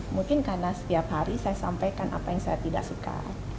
mungkin karena setiap hari saya sampaikan apa yang saya tidak suka